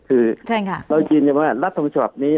คือเริ่มที่หยุดจะว่ารัฐธรรมชาตินี้